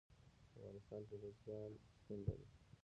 په افغانستان کې بزګان شتون لري.